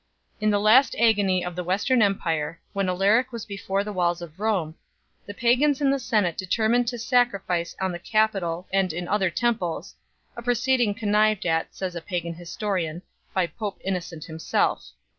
In the last agony of the Western Empire, when Alaric was before the walls of Rome, the pagans in the senate determined to sacrifice on the Capitol and in other temples 5 a proceeding con nived at, says a pagan historian 6 , by Pope Innocent him self.